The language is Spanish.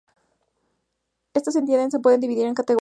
Estas entidades se pueden dividir en categorías.